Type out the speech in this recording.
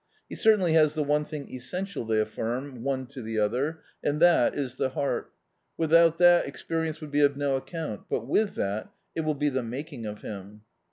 "He certainly has the one thing essential," they afiinn, one to the other, " and that is the heart. Without that experi ence would be of no account, but with that it will be the maldng of him."